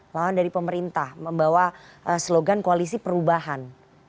lawan dari pemerintah membawa slogan koalisi perubahan